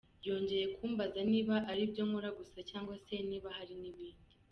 Yongeye kumbaza niba ari ibyo nkora gusa cyangwa se niba hari n’ibindi.